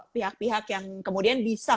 pihak pihak yang kemudian bisa